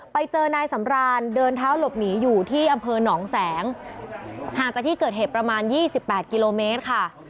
ไปเจอนายสำรานเดินเท้าหลบหนีอยู่ที่อำเภอหนองแสงห่างจากที่เกิดเหตุประมาณ๒๘กิโลเมตรค่ะ